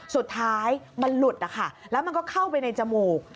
สุดท้ายมันหลุดนะคะแล้วมันก็เข้าไปในจมูก